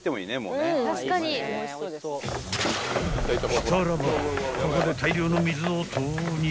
［したらばここで大量の水を投入］